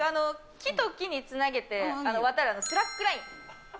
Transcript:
木と木につなげて、渡るスラックライン。